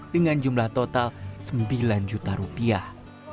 dengan jumlah total sembilan juta rupiah